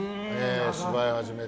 芝居を始めて。